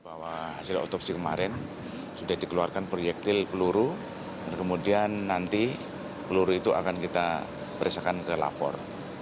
bahwa hasil otopsi kemarin sudah dikeluarkan proyektil peluru dan kemudian nanti peluru itu akan kita periksakan ke lapor